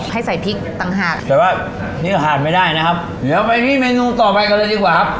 ให้ใส่พริกต่างหากแต่ว่านี่ก็ทานไม่ได้นะครับเดี๋ยวไปที่เมนูต่อไปกันเลยดีกว่าครับ